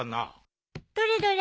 どれどれ？